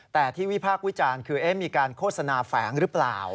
แต่ที่วิพากษ์วิจารณ์คือมีการโฆษณาแฝงหรือเปล่า